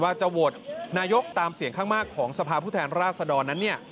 ว่าจะโหวตนายกตามเสียงข้างมากของสภาพผู้แทนราชดรนั้น